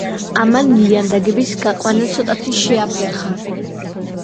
ამან ლიანდაგების გაყვანა ცოტათი შეაფერხა.